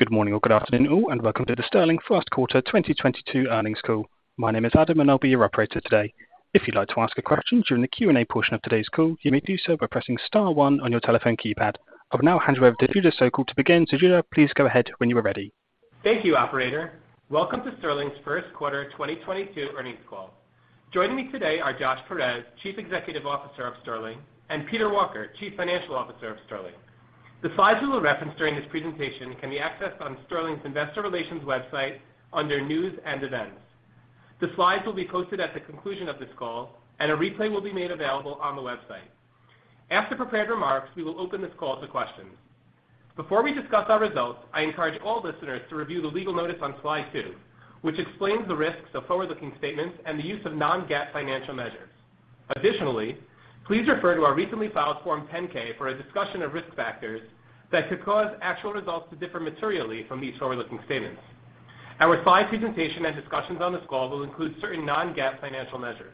Good morning or good afternoon to you, and welcome to the Sterling Q1 2022 Earnings Call. My name is Adam, and I'll be your operator today. If you'd like to ask a question during the Q&A portion of today's call, you may do so by pressing star one on your telephone keypad. I will now hand you over to Judah Sokel to begin. Judah, please go ahead when you are ready. Thank you, operator. Welcome to Sterling's Q1 2022 Earnings Call. Joining me today are Josh Peirez, Chief Executive Officer of Sterling, and Peter Walker, Chief Financial Officer of Sterling. The slides we will reference during this presentation can be accessed on Sterling's investor relations website under News & Events. The slides will be posted at the conclusion of this call, and a replay will be made available on the website. After prepared remarks, we will open this call to questions. Before we discuss our results, I encourage all listeners to review the legal notice on slide two, which explains the risks of forward-looking statements and the use of non-GAAP financial measures. Additionally, please refer to our recently filed Form 10-K for a discussion of risk factors that could cause actual results to differ materially from these forward-looking statements. Our slide presentation and discussions on this call will include certain non-GAAP financial measures.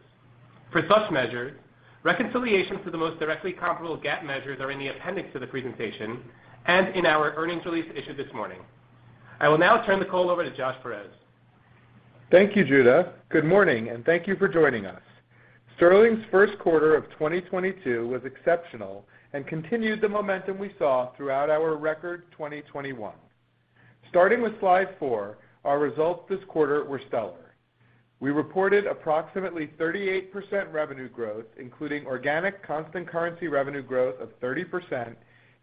For such measures, reconciliations to the most directly comparable GAAP measures are in the appendix to the presentation and in our earnings release issued this morning. I will now turn the call over to Josh Peirez. Thank you, Judah. Good morning, and thank you for joining us. Sterling's Q1 of 2022 was exceptional and continued the momentum we saw throughout our record 2021. Starting with slide 4, our results this quarter were stellar. We reported approximately 38% revenue growth, including organic constant currency revenue growth of 30%,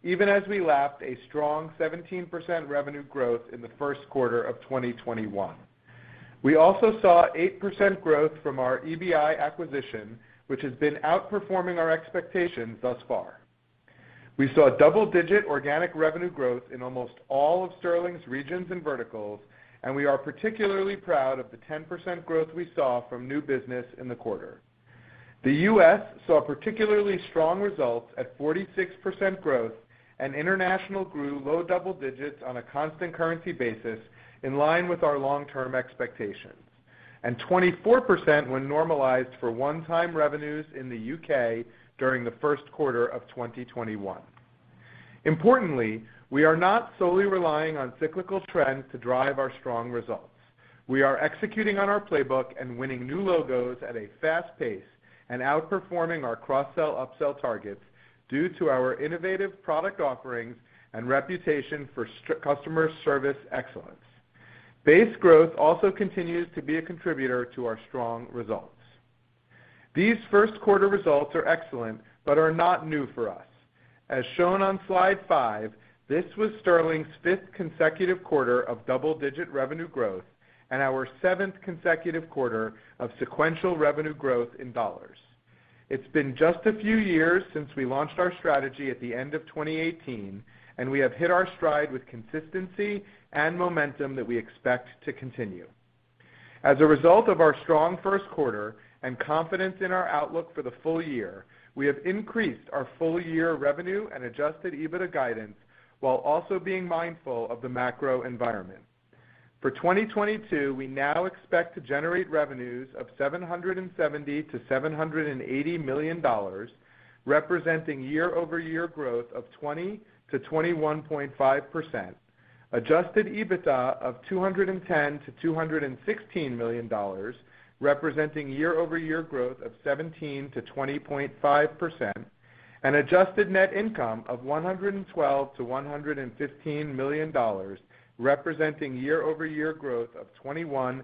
even as we lapped a strong 17% revenue growth in the Q1 of 2021. We also saw 8% growth from our EBI acquisition, which has been outperforming our expectations thus far. We saw double-digit organic revenue growth in almost all of Sterling's regions and verticals, and we are particularly proud of the 10% growth we saw from new business in the quarter. The US saw particularly strong results at 46% growth, and international grew low double digits on a constant currency basis in line with our long-term expectations, and 24% when normalized for one-time revenues in the UK during the Q1 of 2021. Importantly, we are not solely relying on cyclical trends to drive our strong results. We are executing on our playbook and winning new logos at a fast pace and outperforming our cross-sell, upsell targets due to our innovative product offerings and reputation for strong customer service excellence. Base growth also continues to be a contributor to our strong results. These Q1 results are excellent but are not new for us. As shown on slide 5, this was Sterling's fifth consecutive quarter of double-digit revenue growth and our seventh consecutive quarter of sequential revenue growth in dollars. It's been just a few years since we launched our strategy at the end of 2018, and we have hit our stride with consistency and momentum that we expect to continue. As a result of our strong Q1 and confidence in our outlook for the full year, we have increased our full-year revenue and Adjusted EBITDA guidance while also being mindful of the macro environment. For 2022, we now expect to generate revenues of $770 million-$780 million, representing year-over-year growth of 20%-21.5%. Adjusted EBITDA of $210 million-$216 million, representing year-over-year growth of 17%-20.5%. Adjusted net income of $112 million-$115 million, representing year-over-year growth of 21%-25%.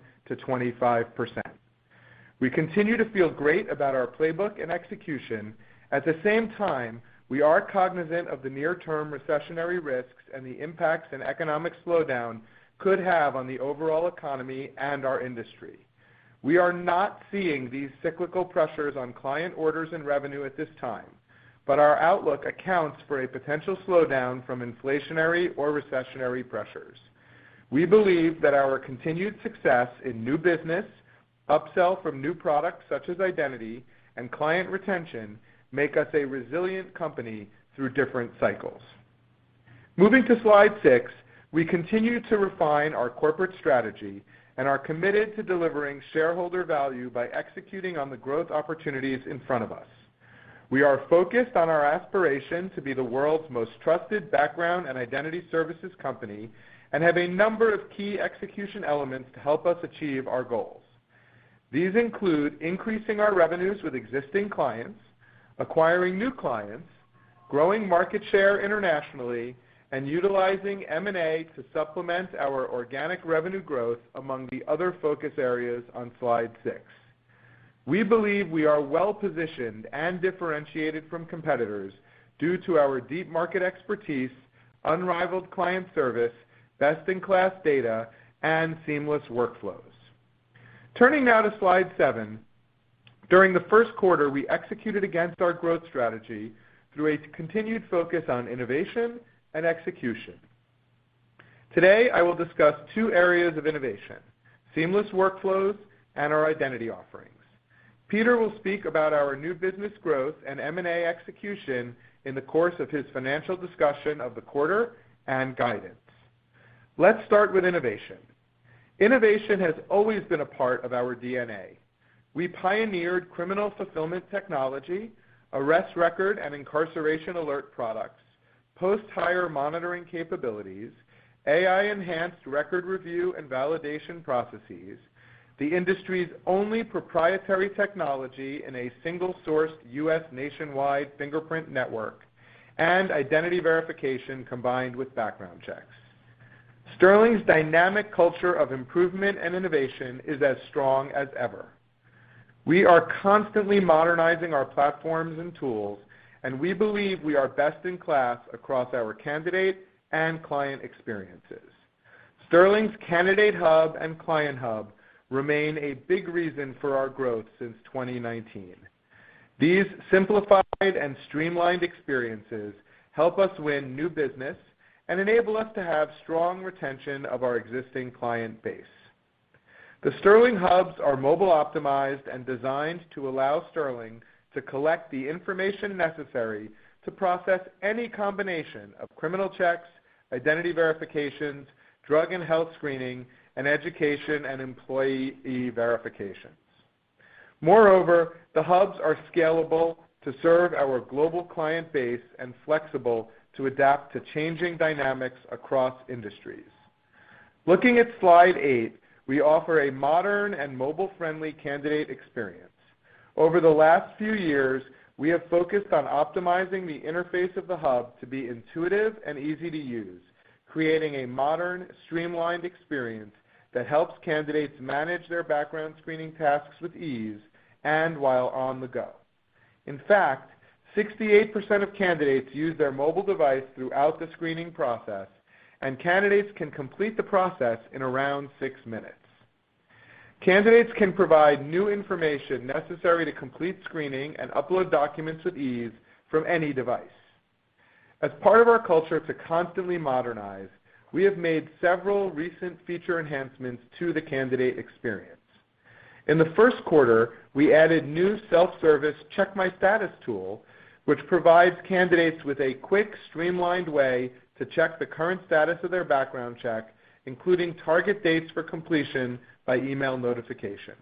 We continue to feel great about our playbook and execution. At the same time, we are cognizant of the near-term recessionary risks and the impacts an economic slowdown could have on the overall economy and our industry. We are not seeing these cyclical pressures on client orders and revenue at this time, but our outlook accounts for a potential slowdown from inflationary or recessionary pressures. We believe that our continued success in new business, upsell from new products such as identity, and client retention make us a resilient company through different cycles. Moving to slide six, we continue to refine our corporate strategy and are committed to delivering shareholder value by executing on the growth opportunities in front of us. We are focused on our aspiration to be the world's most trusted background and identity services company and have a number of key execution elements to help us achieve our goals. These include increasing our revenues with existing clients, acquiring new clients, growing market share internationally, and utilizing M&A to supplement our organic revenue growth among the other focus areas on slide six. We believe we are well-positioned and differentiated from competitors due to our deep market expertise, unrivaled client service, best-in-class data, and seamless workflows. Turning now to slide seven. During the Q1 we executed against our growth strategy through a continued focus on innovation and execution. Today, I will discuss two areas of innovation, seamless workflows and our identity offerings. Peter will speak about our new business growth and M&A execution in the course of his financial discussion of the quarter and guidance. Let's start with innovation. Innovation has always been a part of our DNA. We pioneered criminal fulfillment technology, arrest record, and incarceration alert products, post-hire monitoring capabilities, AI-enhanced record review and validation processes, the industry's only proprietary technology in a single-sourced U.S. nationwide fingerprint network, and identity verification combined with background checks. Sterling's dynamic culture of improvement and innovation is as strong as ever. We are constantly modernizing our platforms and tools, and we believe we are best in class across our candidate and client experiences. Sterling's Candidate Hub and Client Hub remain a big reason for our growth since 2019. These simplified and streamlined experiences help us win new business and enable us to have strong retention of our existing client base. The Sterling hubs are mobile optimized and designed to allow Sterling to collect the information necessary to process any combination of criminal checks, identity verifications, drug and health screening, and education and employee verifications. Moreover, the hubs are scalable to serve our global client base and flexible to adapt to changing dynamics across industries. Looking at Slide 8, we offer a modern and mobile friendly candidate experience. Over the last few years, we have focused on optimizing the interface of the hub to be intuitive and easy to use, creating a modern, streamlined experience that helps candidates manage their background screening tasks with ease and while on the go. In fact, 68% of candidates use their mobile device throughout the screening process, and candidates can complete the process in around six minutes. Candidates can provide new information necessary to complete screening and upload documents with ease from any device. As part of our culture to constantly modernize, we have made several recent feature enhancements to the candidate experience. In the Q1, we added new self-service Check My Status tool, which provides candidates with a quick, streamlined way to check the current status of their background check, including target dates for completion by email notification.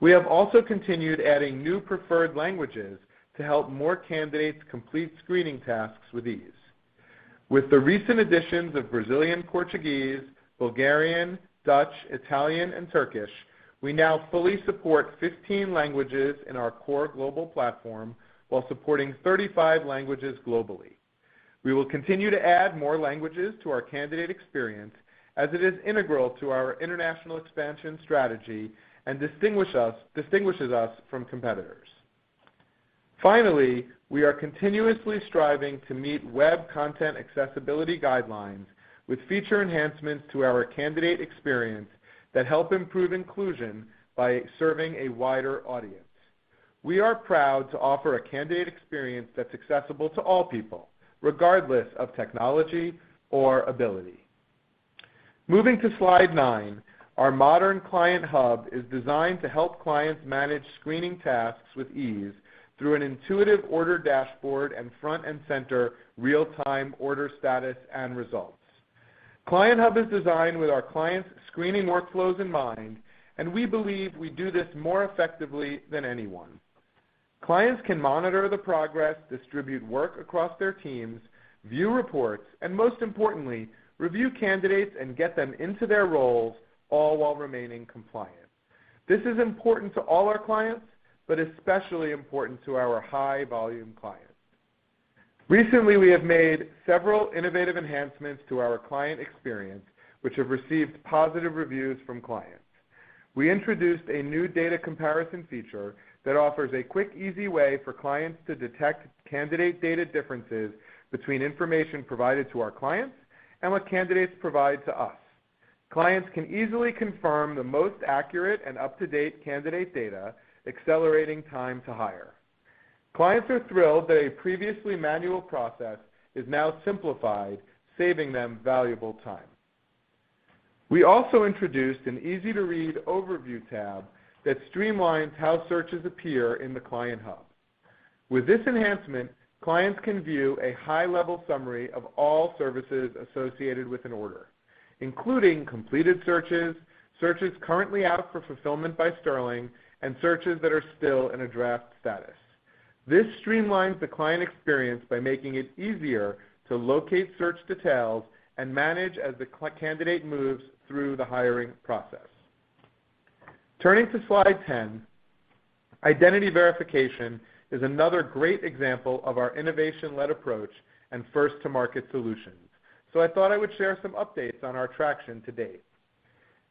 We have also continued adding new preferred languages to help more candidates complete screening tasks with ease. With the recent additions of Brazilian Portuguese, Bulgarian, Dutch, Italian, and Turkish, we now fully support 15 languages in our core global platform, while supporting 35 languages globally. We will continue to add more languages to our candidate experience as it is integral to our international expansion strategy and distinguishes us from competitors. Finally, we are continuously striving to meet web content accessibility guidelines with feature enhancements to our candidate experience that help improve inclusion by serving a wider audience. We are proud to offer a candidate experience that's accessible to all people, regardless of technology or ability. Moving to slide nine, our modern Client Hub is designed to help clients manage screening tasks with ease through an intuitive order dashboard and front and center real-time order status and results. Client Hub is designed with our clients' screening workflows in mind, and we believe we do this more effectively than anyone. Clients can monitor the progress, distribute work across their teams, view reports, and most importantly, review candidates and get them into their roles, all while remaining compliant. This is important to all our clients, but especially important to our high volume clients. Recently, we have made several innovative enhancements to our client experience, which have received positive reviews from clients. We introduced a new data comparison feature that offers a quick, easy way for clients to detect candidate data differences between information provided to our clients and what candidates provide to us. Clients can easily confirm the most accurate and up-to-date candidate data, accelerating time to hire. Clients are thrilled that a previously manual process is now simplified, saving them valuable time. We also introduced an easy-to-read overview tab that streamlines how searches appear in the Client Hub. With this enhancement, clients can view a high-level summary of all services associated with an order, including completed searches currently out for fulfillment by Sterling, and searches that are still in a draft status. This streamlines the client experience by making it easier to locate search details and manage as the candidate moves through the hiring process. Turning to slide 10, identity verification is another great example of our innovation-led approach and first-to-market solutions, so I thought I would share some updates on our traction to date.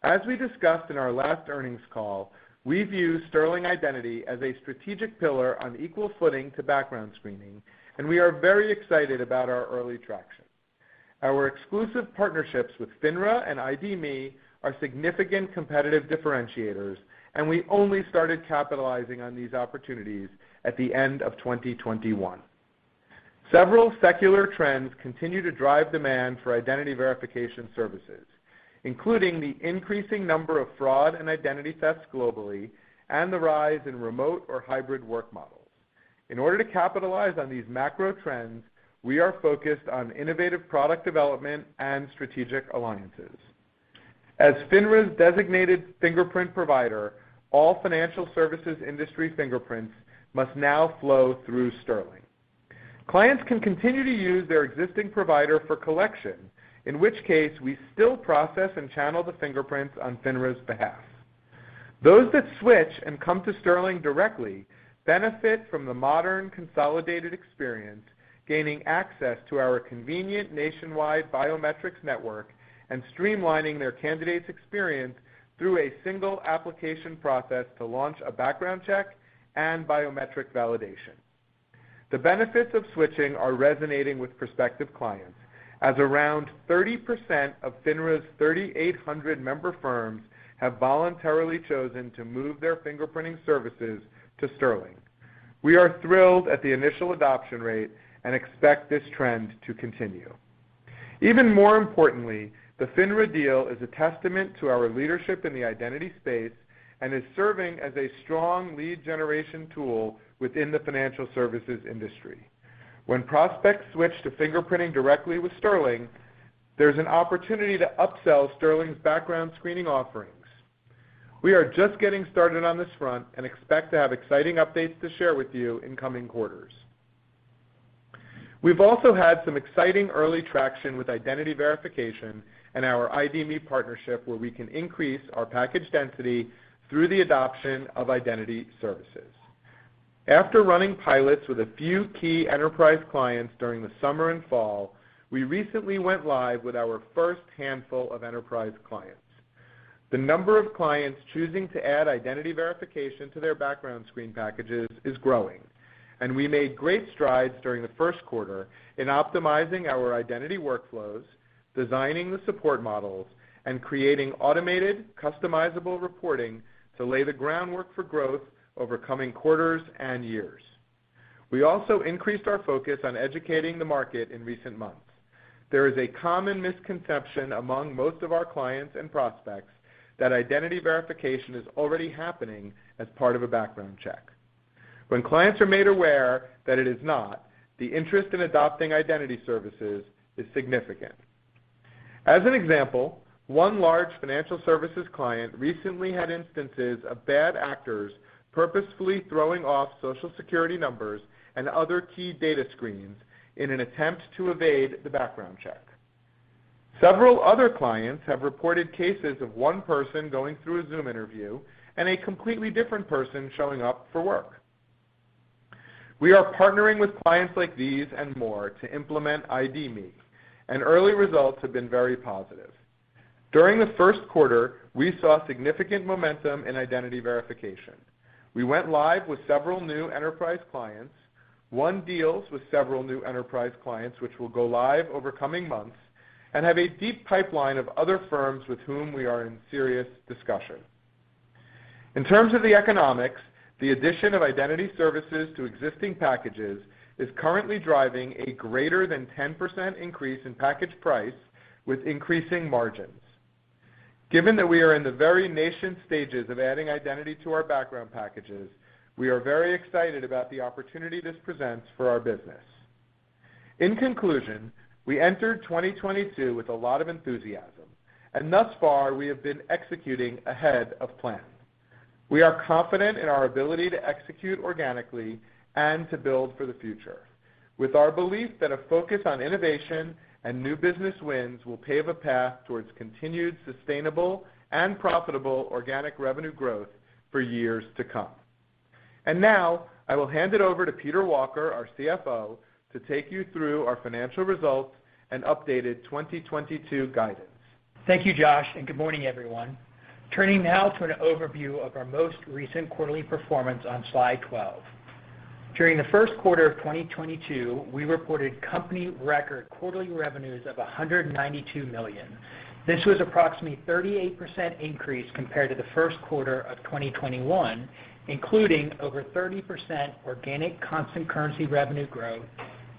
As we discussed in our last earnings call, we view Sterling Identity as a strategic pillar on equal footing to background screening, and we are very excited about our early traction. Our exclusive partnerships with FINRA and ID.me are significant competitive differentiators, and we only started capitalizing on these opportunities at the end of 2021. Several secular trends continue to drive demand for identity verification services, including the increasing number of fraud and identity thefts globally and the rise in remote or hybrid work models. In order to capitalize on these macro trends, we are focused on innovative product development and strategic alliances. As FINRA's designated fingerprint provider, all financial services industry fingerprints must now flow through Sterling. Clients can continue to use their existing provider for collection, in which case we still process and channel the fingerprints on FINRA's behalf. Those that switch and come to Sterling directly benefit from the modern consolidated experience, gaining access to our convenient nationwide biometrics network and streamlining their candidate's experience through a single application process to launch a background check and biometric validation. The benefits of switching are resonating with prospective clients, as around 30% of FINRA's 3,800 member firms have voluntarily chosen to move their fingerprinting services to Sterling. We are thrilled at the initial adoption rate and expect this trend to continue. Even more importantly, the FINRA deal is a testament to our leadership in the identity space and is serving as a strong lead generation tool within the financial services industry. When prospects switch to fingerprinting directly with Sterling, there's an opportunity to upsell Sterling's background screening offerings. We are just getting started on this front and expect to have exciting updates to share with you in coming quarters. We've also had some exciting early traction with identity verification and our ID.me partnership, where we can increase our package density through the adoption of identity services. After running pilots with a few key enterprise clients during the summer and fall, we recently went live with our first handful of enterprise clients. The number of clients choosing to add identity verification to their background screening packages is growing, and we made great strides during the Q1 in optimizing our identity workflows, designing the support models, and creating automated customizable reporting to lay the groundwork for growth over coming quarters and years. We also increased our focus on educating the market in recent months. There is a common misconception among most of our clients and prospects that identity verification is already happening as part of a background check. When clients are made aware that it is not, the interest in adopting identity services is significant. As an example, one large financial services client recently had instances of bad actors purposefully throwing off Social Security numbers and other key data screens in an attempt to evade the background check. Several other clients have reported cases of one person going through a Zoom interview and a completely different person showing up for work. We are partnering with clients like these and more to implement ID.me, and early results have been very positive. During the Q1, we saw significant momentum in identity verification. We went live with several new enterprise clients, won deals with several new enterprise clients which will go live over coming months, and have a deep pipeline of other firms with whom we are in serious discussion. In terms of the economics, the addition of identity services to existing packages is currently driving a greater than 10% increase in package price with increasing margins. Given that we are in the very nascent stages of adding identity to our background packages, we are very excited about the opportunity this presents for our business. In conclusion, we entered 2022 with a lot of enthusiasm, and thus far, we have been executing ahead of plan. We are confident in our ability to execute organically and to build for the future. With our belief that a focus on innovation and new business wins will pave a path towards continued sustainable and profitable organic revenue growth for years to come. Now I will hand it over to Peter Walker, our CFO, to take you through our financial results and updated 2022 guidance. Thank you, Josh, and good morning, everyone. Turning now to an overview of our most recent quarterly performance on slide 12. During the Q1 of 2022, we reported company record quarterly revenues of $192 million. This was approximately 38% increase compared to the Q1 of 2021, including over 30% organic constant currency revenue growth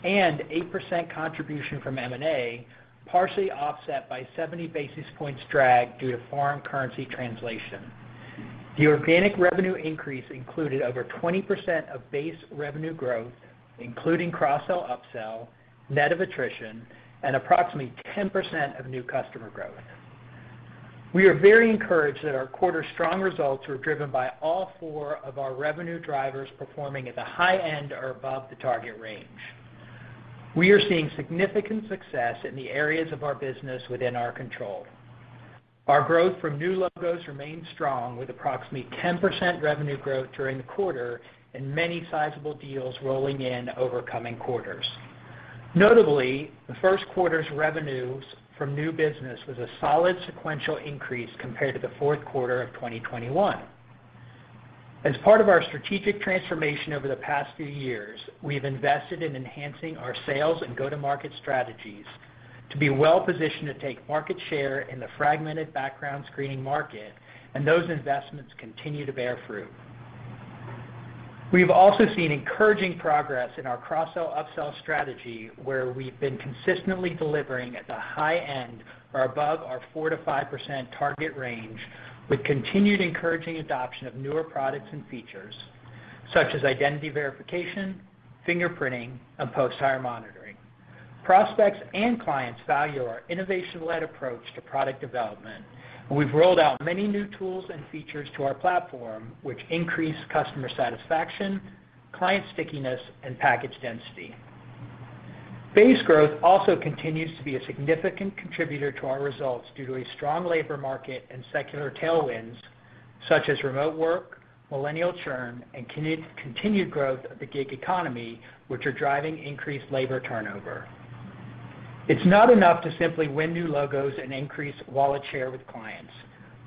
and 8% contribution from M&A, partially offset by 70 basis points drag due to foreign currency translation. The organic revenue increase included over 20% of base revenue growth, including cross-sell, upsell, net of attrition, and approximately 10% of new customer growth. We are very encouraged that our quarter's strong results were driven by all four of our revenue drivers performing at the high end or above the target range. We are seeing significant success in the areas of our business within our control. Our growth from new logos remains strong with approximately 10% revenue growth during the quarter and many sizable deals rolling in over coming quarters. Notably, the Q1's revenues from new business was a solid sequential increase compared to the Q4 of 2021. As part of our strategic transformation over the past few years, we have invested in enhancing our sales and go-to-market strategies to be well-positioned to take market share in the fragmented background screening market, and those investments continue to bear fruit. We've also seen encouraging progress in our cross-sell, upsell strategy, where we've been consistently delivering at the high end or above our 4%-5% target range with continued encouraging adoption of newer products and features such as identity verification, fingerprinting, and post-hire monitoring. Prospects and clients value our innovation-led approach to product development. We've rolled out many new tools and features to our platform, which increase customer satisfaction, client stickiness, and package density. Base growth also continues to be a significant contributor to our results due to a strong labor market and secular tailwinds, such as remote work, millennial churn, and continued growth of the gig economy, which are driving increased labor turnover. It's not enough to simply win new logos and increase wallet share with clients.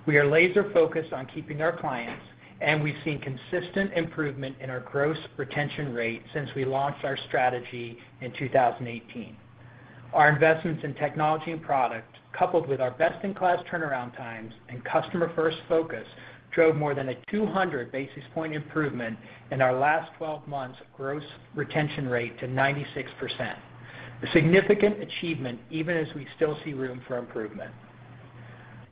We are laser-focused on keeping our clients, and we've seen consistent improvement in our gross retention rate since we launched our strategy in 2018. Our investments in technology and product, coupled with our best-in-class turnaround times and customer-first focus, drove more than a 200 basis point improvement in our last twelve months gross retention rate to 96%. A significant achievement, even as we still see room for improvement.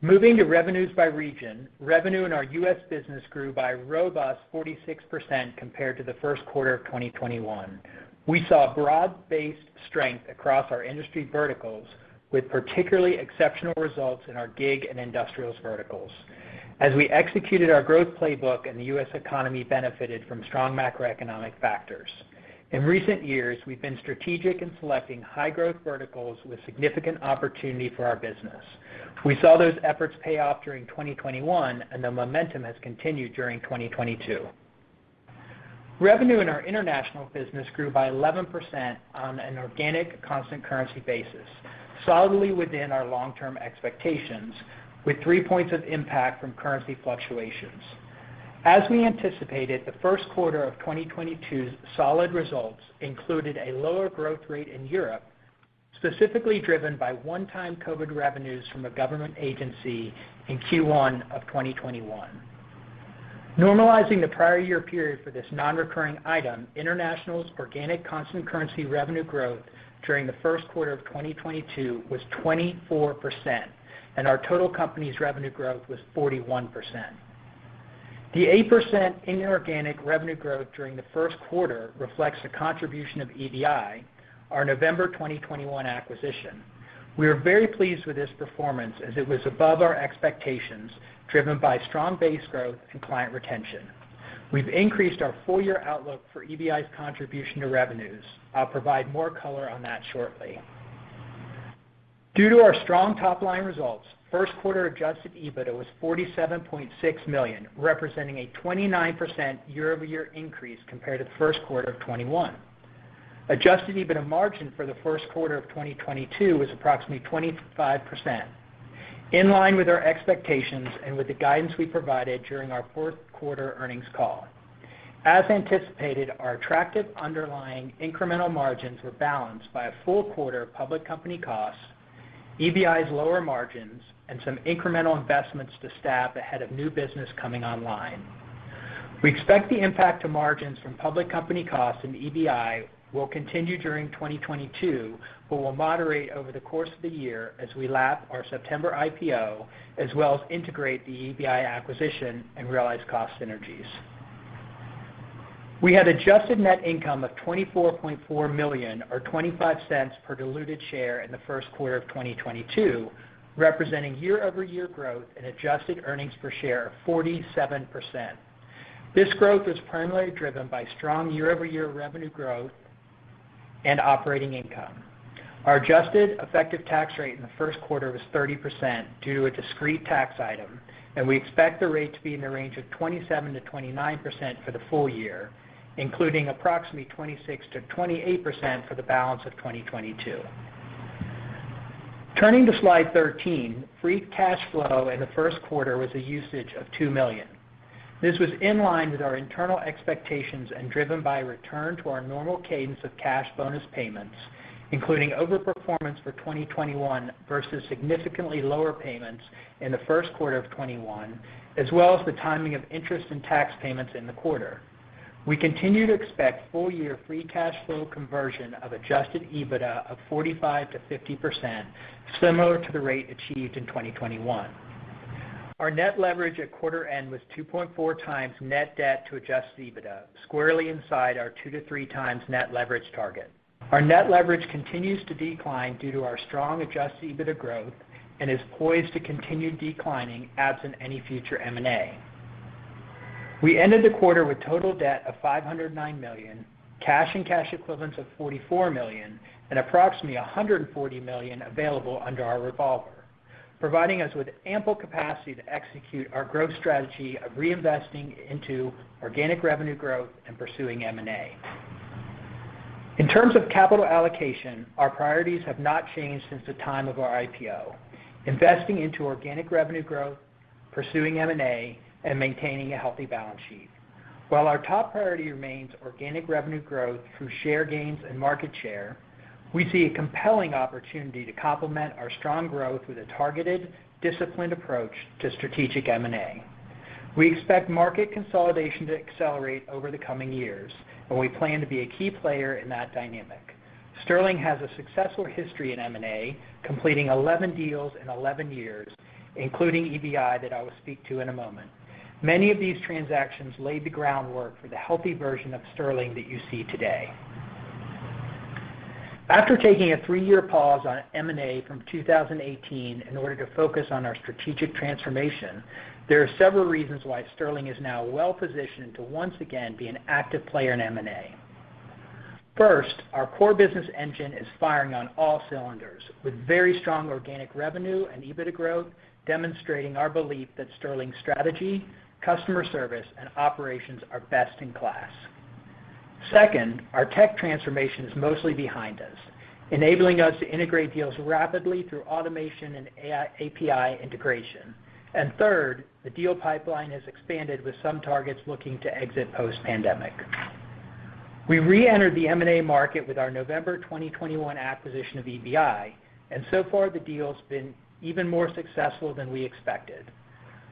Moving to revenues by region, revenue in our U.S. business grew by a robust 46% compared to the Q1 of 2021. We saw broad-based strength across our industry verticals, with particularly exceptional results in our gig and industrials verticals as we executed our growth playbook and the U.S. economy benefited from strong macroeconomic factors. In recent years, we've been strategic in selecting high-growth verticals with significant opportunity for our business. We saw those efforts pay off during 2021, and the momentum has continued during 2022. Revenue in our international business grew by 11% on an organic constant currency basis, solidly within our long-term expectations, with three points of impact from currency fluctuations. As we anticipated, the Q1 of 2022's solid results included a lower growth rate in Europe, specifically driven by one-time COVID revenues from a government agency in Q1 of 2021. Normalizing the prior year period for this non-recurring item, international's organic constant currency revenue growth during the Q1 of 2022 was 24%, and our total company's revenue growth was 41%. The 8% inorganic revenue growth during the Q1 reflects the contribution of EBI, our November 2021 acquisition. We are very pleased with this performance as it was above our expectations, driven by strong base growth and client retention. We've increased our full year outlook for EBI's contribution to revenues. I'll provide more color on that shortly. Due to our strong top-line results, Q1 adjusted EBITDA was $47.6 million, representing a 29% year-over-year increase compared to the Q1 of 2021. Adjusted EBITDA margin for the Q1 of 2022 was approximately 25%, in line with our expectations and with the guidance we provided during our Q4 earnings call. As anticipated, our attractive underlying incremental margins were balanced by a full quarter of public company costs, EBI's lower margins, and some incremental investments to staff ahead of new business coming online. We expect the impact to margins from public company costs in EBI will continue during 2022, but will moderate over the course of the year as we lap our September IPO, as well as integrate the EBI acquisition and realize cost synergies. We had adjusted net income of $24.4 million, or $0.25 per diluted share in the Q1 of 2022, representing year-over-year growth in adjusted earnings per share of 47%. This growth was primarily driven by strong year-over-year revenue growth and operating income. Our adjusted effective tax rate in the Q1 was 30% due to a discrete tax item, and we expect the rate to be in the range of 27%-29% for the full year, including approximately 26%-28% for the balance of 2022. Turning to Slide 13, free cash flow in the Q1 was a usage of $2 million. This was in line with our internal expectations and driven by a return to our normal cadence of cash bonus payments, including overperformance for 2021 versus significantly lower payments in the Q1 of 2021, as well as the timing of interest and tax payments in the quarter. We continue to expect full year free cash flow conversion of adjusted EBITDA of 45%-50%, similar to the rate achieved in 2021. Our net leverage at quarter end was 2.4x net debt to adjusted EBITDA, squarely inside our 2-3x net leverage target. Our net leverage continues to decline due to our strong adjusted EBITDA growth and is poised to continue declining absent any future M&A. We ended the quarter with total debt of $509 million, cash and cash equivalents of $44 million, and approximately $140 million available under our revolver, providing us with ample capacity to execute our growth strategy of reinvesting into organic revenue growth and pursuing M&A. In terms of capital allocation, our priorities have not changed since the time of our IPO. Investing into organic revenue growth, pursuing M&A, and maintaining a healthy balance sheet. While our top priority remains organic revenue growth through share gains and market share, we see a compelling opportunity to complement our strong growth with a targeted, disciplined approach to strategic M&A. We expect market consolidation to accelerate over the coming years, and we plan to be a key player in that dynamic. Sterling has a successful history in M&A, completing 11 deals in 11 years, including EBI that I will speak to in a moment. Many of these transactions laid the groundwork for the healthy version of Sterling that you see today. After taking a three-year pause on M&A from 2018 in order to focus on our strategic transformation, there are several reasons why Sterling is now well-positioned to once again be an active player in M&A. First, our core business engine is firing on all cylinders, with very strong organic revenue and EBITDA growth, demonstrating our belief that Sterling's strategy, customer service, and operations are best-in-class. Second, our tech transformation is mostly behind us, enabling us to integrate deals rapidly through automation and AI, API integration. Third, the deal pipeline has expanded with some targets looking to exit post-pandemic. We reentered the M&A market with our November 2021 acquisition of EBI, and so far the deal's been even more successful than we expected,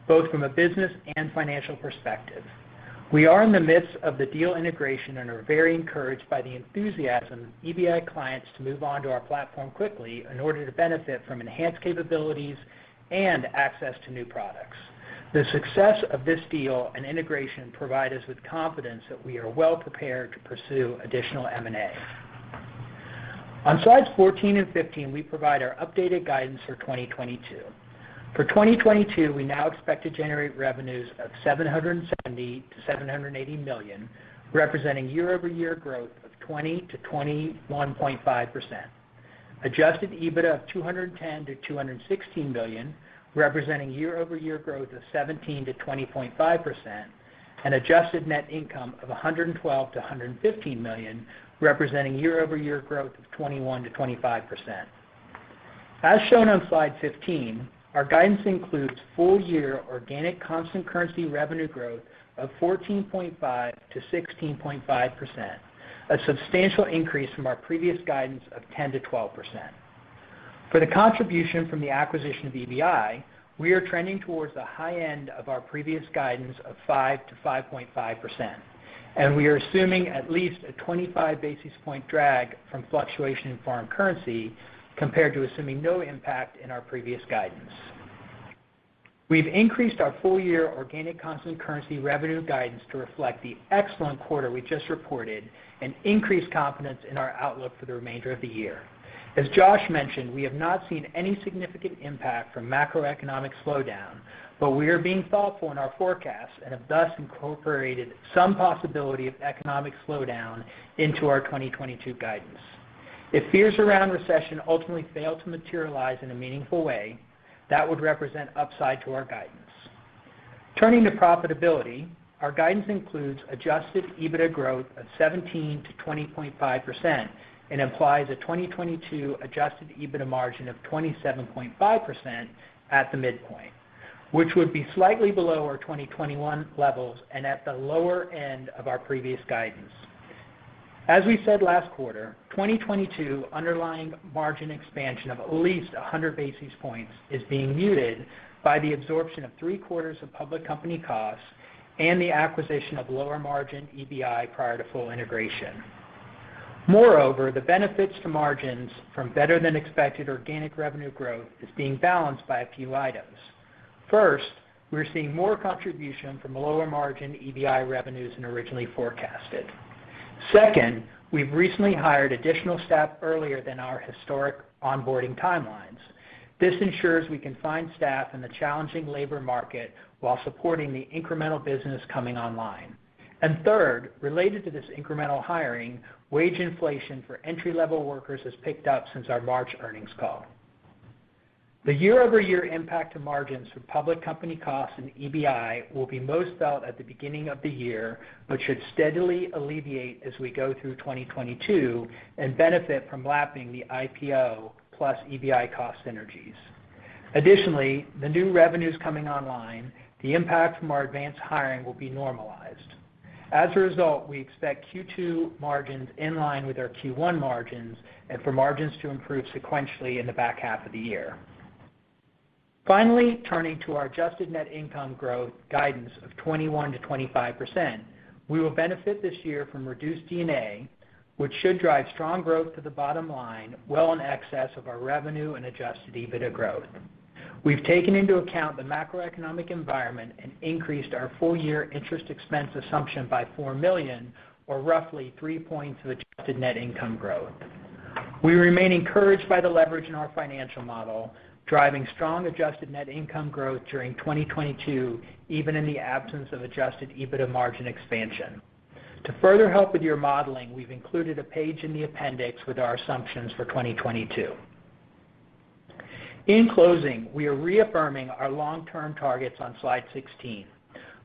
both from a business and financial perspective. We are in the midst of the deal integration and are very encouraged by the enthusiasm of EBI clients to move onto our platform quickly in order to benefit from enhanced capabilities and access to new products. The success of this deal and integration provide us with confidence that we are well-prepared to pursue additional M&A. On slides 14 and 15, we provide our updated guidance for 2022. For 2022, we now expect to generate revenues of $770 million-$780 million, representing year-over-year growth of 20%-21.5%. Adjusted EBITDA of $210 million-$216 million, representing year-over-year growth of 17%-20.5%. Adjusted net income of $112 million-$115 million, representing year-over-year growth of 21%-25%. As shown on slide 15, our guidance includes full year organic constant currency revenue growth of 14.5%-16.5%, a substantial increase from our previous guidance of 10%-12%. For the contribution from the acquisition of EBI, we are trending towards the high end of our previous guidance of 5%-5.5%, and we are assuming at least a 25 basis point drag from fluctuation in foreign currency compared to assuming no impact in our previous guidance. We've increased our full year organic constant currency revenue guidance to reflect the excellent quarter we just reported and increased confidence in our outlook for the remainder of the year. As Josh mentioned, we have not seen any significant impact from macroeconomic slowdown, but we are being thoughtful in our forecasts and have thus incorporated some possibility of economic slowdown into our 2022 guidance. If fears around recession ultimately fail to materialize in a meaningful way, that would represent upside to our guidance. Turning to profitability, our guidance includes adjusted EBITDA growth of 17%-20.5% and implies a 2022 adjusted EBITDA margin of 27.5% at the midpoint, which would be slightly below our 2021 levels and at the lower end of our previous guidance. As we said last quarter, 2022 underlying margin expansion of at least 100 basis points is being muted by the absorption of three-quarters of public company costs and the acquisition of lower margin EBI prior to full integration. Moreover, the benefits to margins from better than expected organic revenue growth is being balanced by a few items. First, we're seeing more contribution from lower margin EBI revenues than originally forecasted. Second, we've recently hired additional staff earlier than our historic onboarding timelines. This ensures we can find staff in the challenging labor market while supporting the incremental business coming online. Third, related to this incremental hiring, wage inflation for entry-level workers has picked up since our March earnings call. The year-over-year impact to margins from public company costs in EBI will be most felt at the beginning of the year, but should steadily alleviate as we go through 2022 and benefit from lapping the IPO plus EBI cost synergies. Additionally, the new revenues coming online, the impact from our advanced hiring will be normalized. As a result, we expect Q2 margins in line with our Q1 margins and for margins to improve sequentially in the back half of the year. Finally, turning to our adjusted net income growth guidance of 21%-25%, we will benefit this year from reduced D&A, which should drive strong growth to the bottom line, well in excess of our revenue and adjusted EBITDA growth. We've taken into account the macroeconomic environment and increased our full year interest expense assumption by $4 million, or roughly three points of adjusted net income growth. We remain encouraged by the leverage in our financial model, driving strong adjusted net income growth during 2022, even in the absence of adjusted EBITDA margin expansion. To further help with your modeling, we've included a page in the appendix with our assumptions for 2022. In closing, we are reaffirming our long-term targets on slide 16.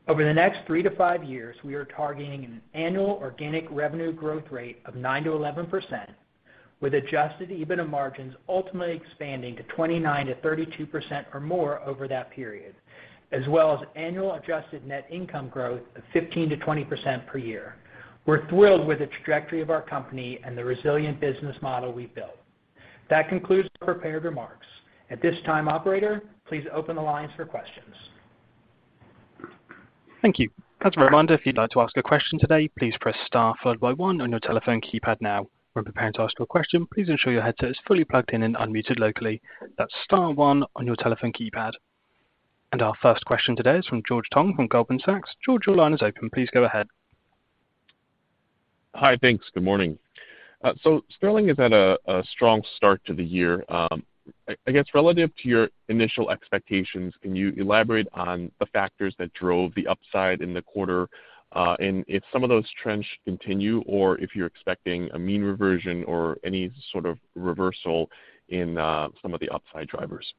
Over the next 3-5 years, we are targeting an annual organic revenue growth rate of 9%-11%, with adjusted EBITDA margins ultimately expanding to 29%-32% or more over that period, as well as annual adjusted net income growth of 15%-20% per year. We're thrilled with the trajectory of our company and the resilient business model we've built. That concludes our prepared remarks. At this time, operator, please open the lines for questions. Thank you. As a reminder, if you'd like to ask a question today, please press star followed by one on your telephone keypad now. When preparing to ask your question, please ensure your headset is fully plugged in and unmuted locally. That's star one on your telephone keypad. Our first question today is from George Tong from Goldman Sachs. George, your line is open. Please go ahead. Hi. Thanks. Good morning. Sterling is at a strong start to the year. I guess, relative to your initial expectations, can you elaborate on the factors that drove the upside in the quarter, and if some of those trends continue, or if you're expecting a mean reversion or any sort of reversal in some of the upside drivers?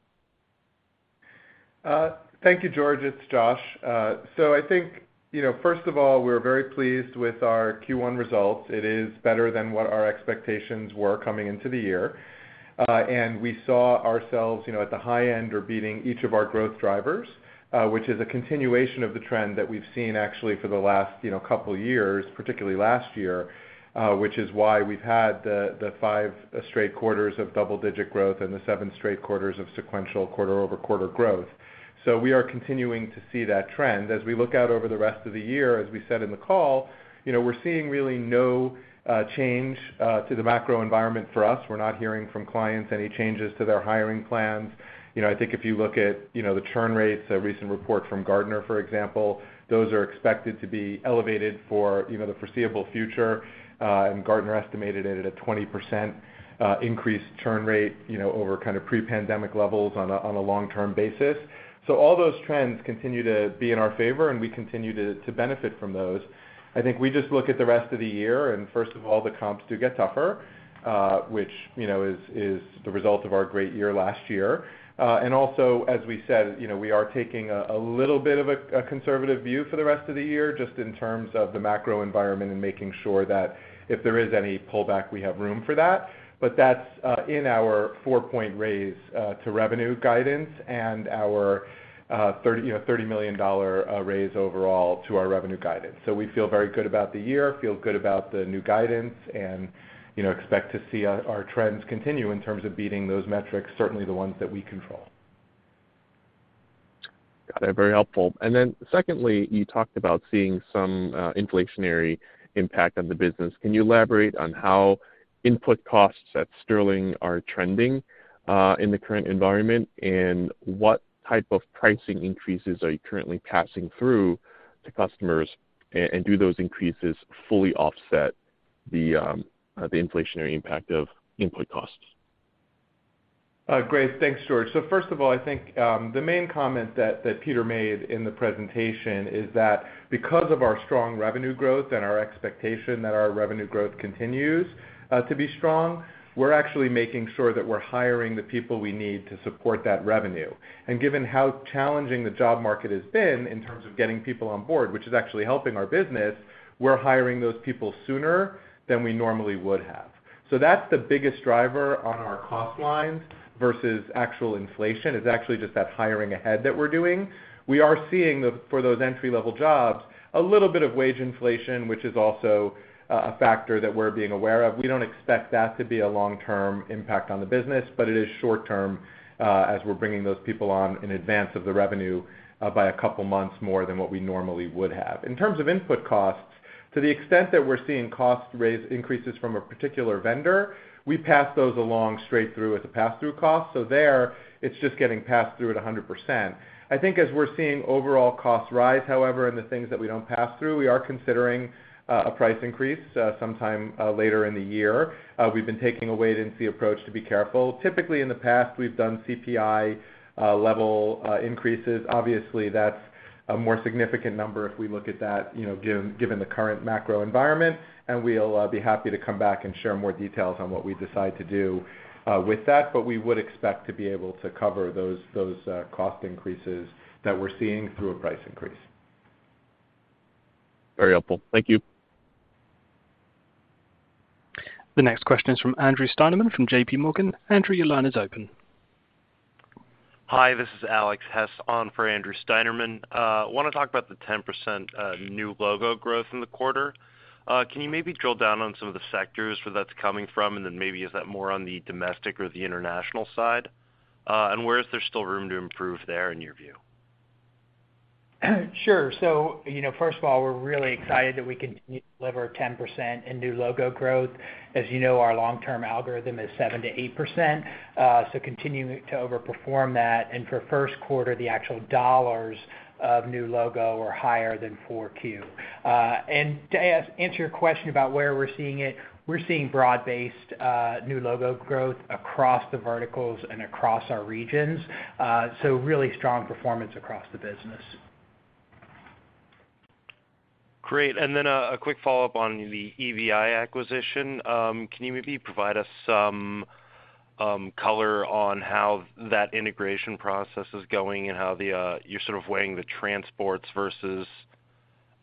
Thank you, George. It's Josh. I think, you know, first of all, we're very pleased with our Q1 results. It is better than what our expectations were coming into the year. We saw ourselves, you know, at the high end or beating each of our growth drivers, which is a continuation of the trend that we've seen actually for the last, you know, couple years, particularly last year, which is why we've had the five straight quarters of double-digit growth and the seven straight quarters of sequential quarter-over-quarter growth. We are continuing to see that trend. As we look out over the rest of the year, as we said in the call, you know, we're seeing really no change to the macro environment for us. We're not hearing from clients any changes to their hiring plans. You know, I think if you look at, you know, the churn rates, a recent report from Gartner, for example, those are expected to be elevated for, you know, the foreseeable future, and Gartner estimated it at a 20% increased churn rate, you know, over kind of pre-pandemic levels on a long-term basis. All those trends continue to be in our favor, and we continue to benefit from those. I think we just look at the rest of the year, and first of all, the comps do get tougher, which, you know, is the result of our great year last year. as we said, you know, we are taking a little bit of a conservative view for the rest of the year, just in terms of the macro environment and making sure that if there is any pullback, we have room for that. But that's in our 4-point raise to revenue guidance and our $30 million raise overall to our revenue guidance. We feel very good about the year, feel good about the new guidance, and, you know, expect to see our trends continue in terms of beating those metrics, certainly the ones that we control. Got it. Very helpful. Secondly, you talked about seeing some inflationary impact on the business. Can you elaborate on how input costs at Sterling are trending in the current environment, and what type of pricing increases are you currently passing through to customers? Do those increases fully offset the inflationary impact of input costs? Great. Thanks, George. First of all, I think, the main comment that Peter made in the presentation is that because of our strong revenue growth and our expectation that our revenue growth continues to be strong, we're actually making sure that we're hiring the people we need to support that revenue. Given how challenging the job market has been in terms of getting people on board, which is actually helping our business, we're hiring those people sooner than we normally would have. That's the biggest driver on our cost lines versus actual inflation, is actually just that hiring ahead that we're doing. We are seeing for those entry-level jobs, a little bit of wage inflation, which is also a factor that we're being aware of. We don't expect that to be a long-term impact on the business, but it is short-term, as we're bringing those people on in advance of the revenue, by a couple months more than what we normally would have. In terms of input costs, to the extent that we're seeing cost rate increases from a particular vendor, we pass those along straight through as a pass-through cost. There, it's just getting passed through at 100%. I think as we're seeing overall costs rise, however, and the things that we don't pass through, we are considering a price increase sometime later in the year. We've been taking a wait-and-see approach to be careful. Typically, in the past, we've done CPI level increases. Obviously, that's a more significant number if we look at that, you know, given the current macro environment, and we'll be happy to come back and share more details on what we decide to do with that. We would expect to be able to cover those cost increases that we're seeing through a price increase. Very helpful. Thank you. The next question is from Andrew Steinerman from JP Morgan. Andrew, your line is open. Hi, this is Alexander Hess on for Andrew Steinerman. Wanna talk about the 10%, new logo growth in the quarter. Can you maybe drill down on some of the sectors where that's coming from, and then maybe is that more on the domestic or the international side? Where is there still room to improve there in your view? Sure. You know, first of all, we're really excited that we continue to deliver 10% in new logo growth. As you know, our long-term algorithm is 7%-8%, so continuing to overperform that. For Q1, the actual dollars of new logo were higher than 4Q. To answer your question about where we're seeing it, we're seeing broad-based new logo growth across the verticals and across our regions. Really strong performance across the business. Great. A quick follow-up on the EBI acquisition. Can you maybe provide us some color on how that integration process is going and how you're sort of weighing the transport versus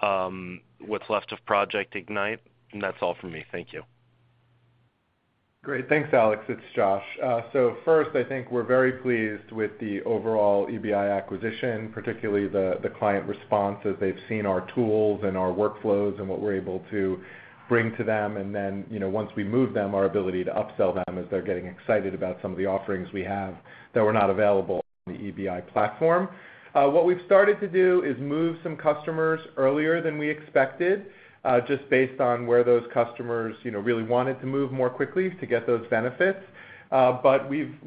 what's left of Project Ignite? That's all from me. Thank you. Great. Thanks, Alex. It's Josh. First, I think we're very pleased with the overall EBI acquisition, particularly the client response as they've seen our tools and our workflows and what we're able to bring to them. You know, once we move them, our ability to upsell them as they're getting excited about some of the offerings we have that were not available on the EBI platform. What we've started to do is move some customers earlier than we expected, just based on where those customers, you know, really wanted to move more quickly to get those benefits.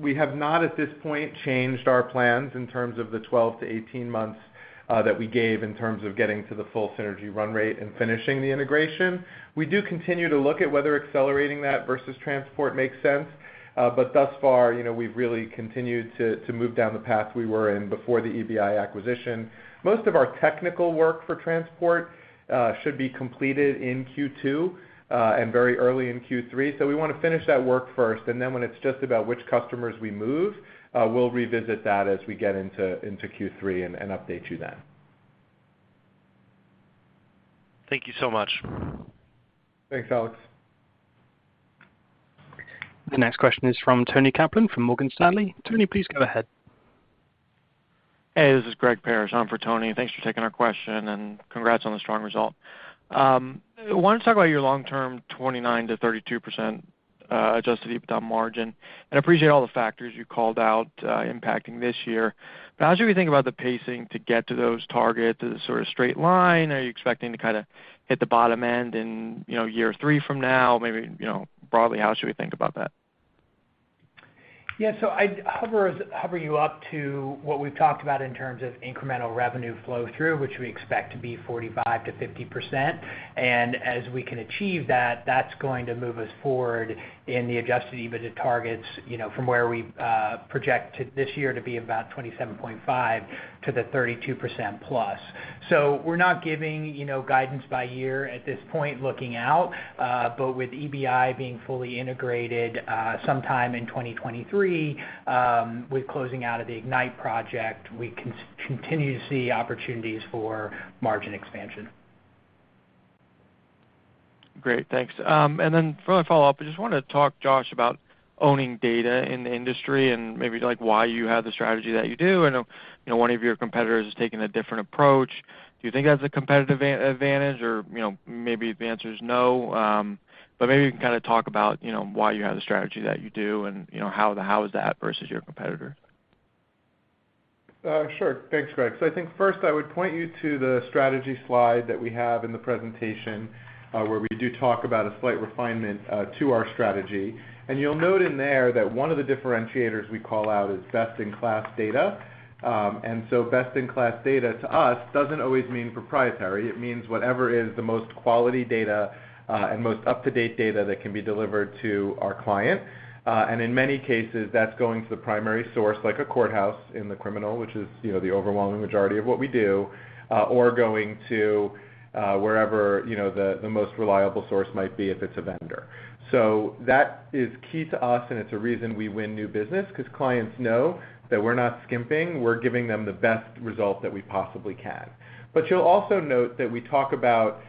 We have not at this point changed our plans in terms of the 12-18 months that we gave in terms of getting to the full synergy run rate and finishing the integration. We do continue to look at whether accelerating that versus transport makes sense. Thus far, you know, we've really continued to move down the path we were in before the EBI acquisition. Most of our technical work for transport should be completed in Q2 and very early in Q3. We wanna finish that work first, and then when it's just about which customers we move, we'll revisit that as we get into Q3 and update you then. Thank you so much. Thanks, Alex. The next question is from Toni Kaplan from Morgan Stanley. Tony, please go ahead. Hey, this is Gregory Parrish on for Toni Kaplan. Thanks for taking our question, and congrats on the strong result. Wanted to talk about your long-term 29%-32% adjusted EBITDA margin, and appreciate all the factors you called out impacting this year. How should we think about the pacing to get to those targets? Is it sort of straight line? Are you expecting to kind of hit the bottom end in, you know, year three from now? Maybe, you know, broadly, how should we think about that? Yeah. I'd walk you up to what we've talked about in terms of incremental revenue flow through, which we expect to be 45%-50%. As we can achieve that's going to move us forward in the adjusted EBITDA targets, you know, from where we projected this year to be about 27.5%-32%+. We're not giving, you know, guidance by year at this point looking out, but with EBI being fully integrated sometime in 2023, with closing out of Project Ignite, we continue to see opportunities for margin expansion. Great. Thanks. For my follow-up, I just want to talk, Josh, about owning data in the industry and maybe like why you have the strategy that you do. I know, you know, one of your competitors is taking a different approach. Do you think that's a competitive advantage or, you know, maybe if the answer is no, but maybe you can kind of talk about, you know, why you have the strategy that you do and, you know, how is that versus your competitor? Sure. Thanks, Greg. I think first I would point you to the strategy slide that we have in the presentation, where we do talk about a slight refinement to our strategy. You'll note in there that one of the differentiators we call out is best-in-class data. Best-in-class data to us doesn't always mean proprietary. It means whatever is the most quality data and most up-to-date data that can be delivered to our client. In many cases, that's going to the primary source, like a courthouse in the criminal, which is, you know, the overwhelming majority of what we do, or going to wherever, you know, the most reliable source might be if it's a vendor. That is key to us, and it's a reason we win new business because clients know that we're not skimping. We're giving them the best result that we possibly can. You'll also note that we talk about,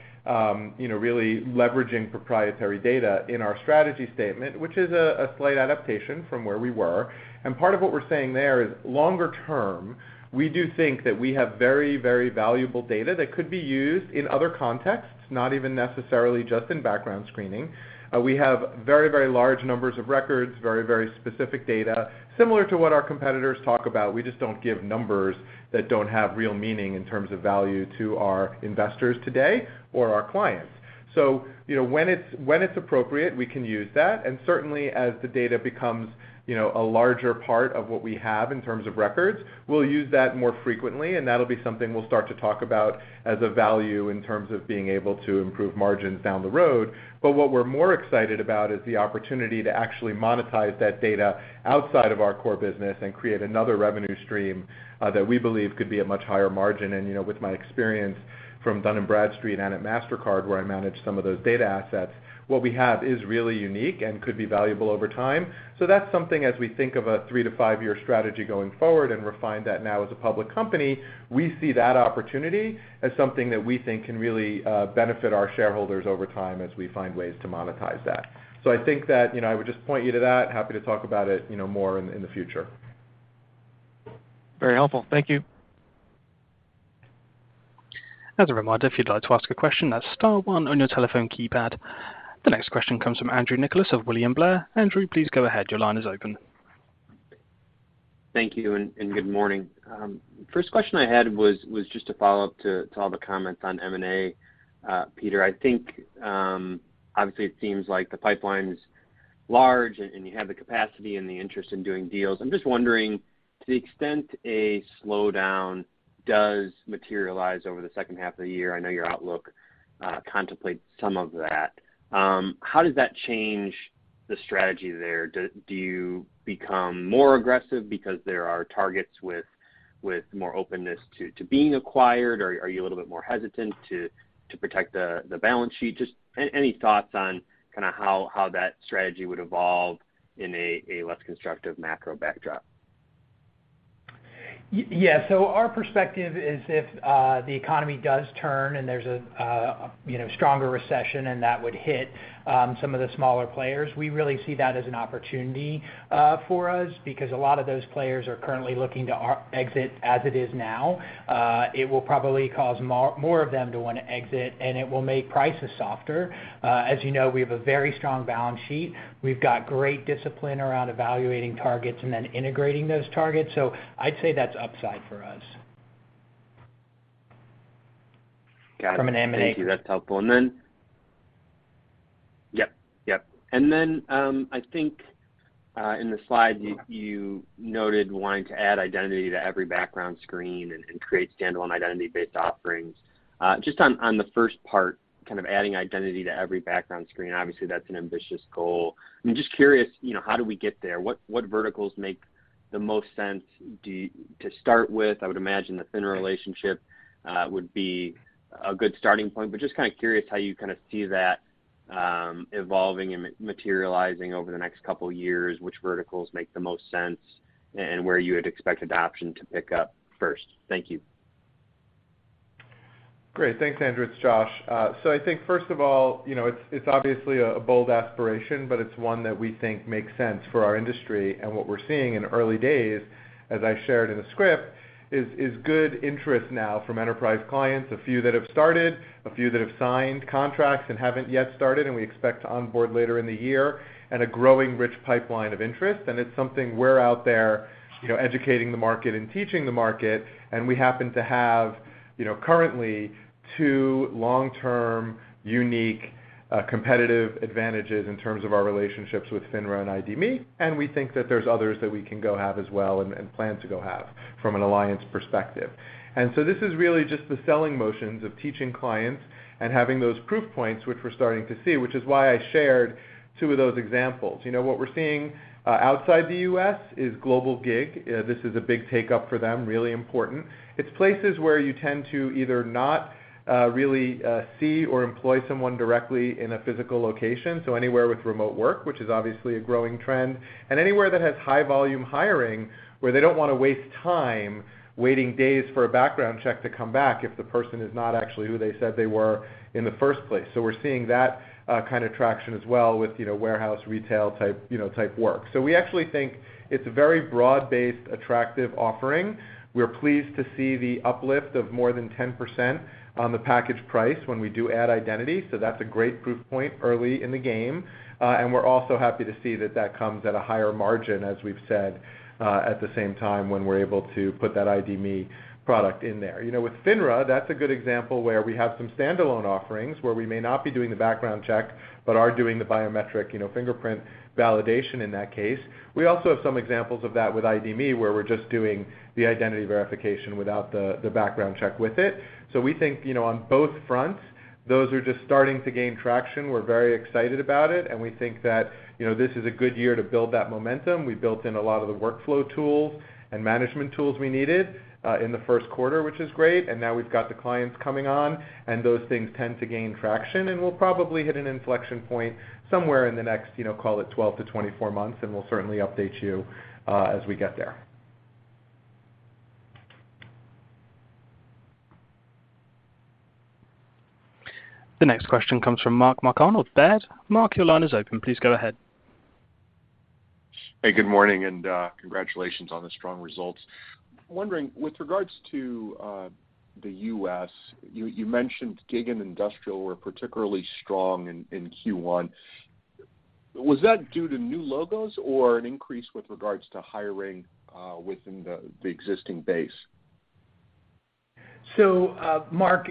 you know, really leveraging proprietary data in our strategy statement, which is a slight adaptation from where we were. Part of what we're saying there is longer term, we do think that we have very, very valuable data that could be used in other contexts, not even necessarily just in background screening. We have very, very large numbers of records, very, very specific data, similar to what our competitors talk about. We just don't give numbers that don't have real meaning in terms of value to our investors today or our clients. You know, when it's appropriate, we can use that, and certainly as the data becomes, you know, a larger part of what we have in terms of records, we'll use that more frequently, and that'll be something we'll start to talk about as a value in terms of being able to improve margins down the road. What we're more excited about is the opportunity to actually monetize that data outside of our core business and create another revenue stream, that we believe could be a much higher margin. You know, with my experience from Dun & Bradstreet and at Mastercard where I managed some of those data assets, what we have is really unique and could be valuable over time. That's something as we think of a 3- to 5-year strategy going forward and refine that now as a public company, we see that opportunity as something that we think can really benefit our shareholders over time as we find ways to monetize that. I think that, you know, I would just point you to that. Happy to talk about it, you know, more in the future. Very helpful. Thank you. As a reminder, if you'd like to ask a question, that's star one on your telephone keypad. The next question comes from Andrew Nicholas of William Blair. Andrew, please go ahead. Your line is open. Thank you and good morning. First question I had was just a follow-up to all the comments on M&A. Peter, I think obviously it seems like the pipeline's large and you have the capacity and the interest in doing deals. I'm just wondering, to the extent a slowdown does materialize over the second half of the year, I know your outlook contemplates some of that, how does that change the strategy there? Do you become more aggressive because there are targets with more openness to being acquired, or are you a little bit more hesitant to protect the balance sheet? Just any thoughts on kind of how that strategy would evolve in a less constructive macro backdrop? Yeah. Our perspective is if the economy does turn and there's, you know, a stronger recession and that would hit some of the smaller players, we really see that as an opportunity for us because a lot of those players are currently looking to exit as it is now. It will probably cause more of them to want to exit, and it will make prices softer. As you know, we have a very strong balance sheet. We've got great discipline around evaluating targets and then integrating those targets. I'd say that's upside for us. Got it. from an M&A Thank you. That's helpful. Yep. I think in the slide you noted wanting to add identity to every background screen and create standalone identity-based offerings. Just on the first part, kind of adding identity to every background screen, obviously that's an ambitious goal. I'm just curious, you know, how do we get there? What verticals make the most sense to start with? I would imagine the thinner relationship would be a good starting point. Just kind of curious how you kind of see that Evolving and materializing over the next couple years, which verticals make the most sense, and where you would expect adoption to pick up first? Thank you. Great. Thanks, Andrew. It's Josh. So I think first of all, you know, it's obviously a bold aspiration, but it's one that we think makes sense for our industry. What we're seeing in early days, as I shared in the script, is good interest now from enterprise clients, a few that have started, a few that have signed contracts and haven't yet started, and we expect to onboard later in the year and a growing rich pipeline of interest. It's something we're out there, you know, educating the market and teaching the market, and we happen to have, you know, currently two long-term, unique, competitive advantages in terms of our relationships with FINRA and ID.me, and we think that there's others that we can go have as well and plan to go have from an alliance perspective. This is really just the selling motions of teaching clients and having those proof points which we're starting to see, which is why I shared two of those examples. You know, what we're seeing outside the U.S. is Global Gig. This is a big take up for them, really important. It's places where you tend to either not really see or employ someone directly in a physical location, so anywhere with remote work, which is obviously a growing trend, and anywhere that has high volume hiring where they don't wanna waste time waiting days for a background check to come back if the person is not actually who they said they were in the first place. We're seeing that kind of traction as well with, you know, warehouse, retail type, you know, type work. We actually think it's a very broad-based, attractive offering. We're pleased to see the uplift of more than 10% on the package price when we do add identity. That's a great proof point early in the game. We're also happy to see that that comes at a higher margin, as we've said, at the same time, when we're able to put that ID.me product in there. You know, with FINRA, that's a good example where we have some standalone offerings where we may not be doing the background check but are doing the biometric, you know, fingerprint validation in that case. We also have some examples of that with ID.me, where we're just doing the identity verification without the background check with it. We think, you know, on both fronts, those are just starting to gain traction. We're very excited about it, and we think that, you know, this is a good year to build that momentum. We built in a lot of the workflow tools and management tools we needed in the Q1, which is great, and now we've got the clients coming on, and those things tend to gain traction. We'll probably hit an inflection point somewhere in the next, you know, call it 12-24 months, and we'll certainly update you as we get there. The next question comes from Mark Marcon at Baird. Mark, your line is open. Please go ahead. Hey, good morning, and congratulations on the strong results. Wondering, with regards to the U.S., you mentioned gig and industrial were particularly strong in Q1. Was that due to new logos or an increase with regards to hiring within the existing base? Mark,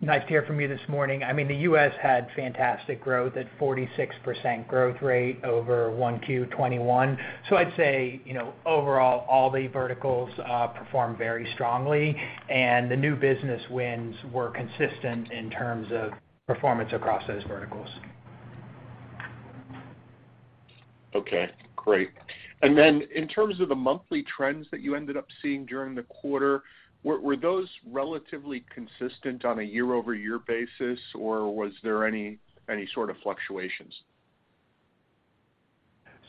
nice to hear from you this morning. I mean, the U.S. had fantastic growth at 46% growth rate over 1Q 2021. I'd say, you know, overall, all the verticals performed very strongly, and the new business wins were consistent in terms of performance across those verticals. Okay, great. In terms of the monthly trends that you ended up seeing during the quarter, were those relatively consistent on a year-over-year basis, or was there any sort of fluctuations?